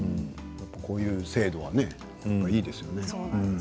こういう制度はね、いいですよね。